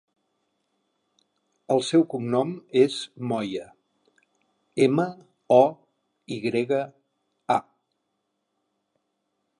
El seu cognom és Moya: ema, o, i grega, a.